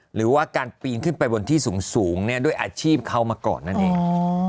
หรือว่าการปีนขึ้นไปบนที่สูงด้วยอาชีพเขามาก่อนนั่นเอง